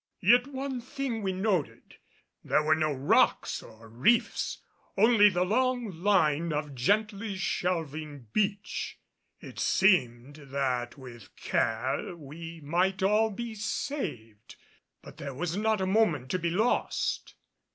Yet one thing we noted. There were no rocks or reefs; only the long line of gently shelving beach. It seemed that with care we might all be saved; but there was not a moment to be lost.